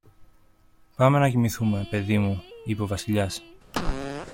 Πάμε να κοιμηθούμε, παιδί μου, είπε ο Βασιλιάς.